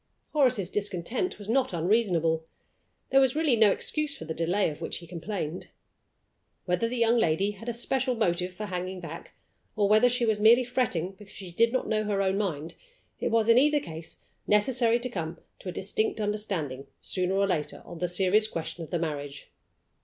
Horace's discontent was not unreasonable. There was really no excuse for the delay of which he complained. Whether the young lady had a special motive for hanging back, or whether she was merely fretting because she did not know her own mind, it was, in either case, necessary to come to a distinct understanding, sooner or later, on the serious question of the marriage.